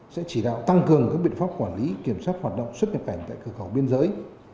sẽ chỉ đạo tăng cường các biện pháp quản lý kiểm soát hoạt động xuất nhập cảnh tại cửa khẩu biên giới